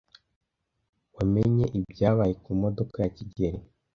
Wamenye ibyabaye kumodoka ya kigeli?